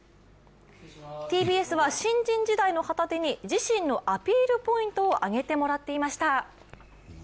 ＴＢＳは新人時代の旗手に自身のアピールポイントを挙げてもらっていました。